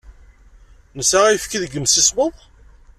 Nesɛa ayefki deg yimsismeḍ?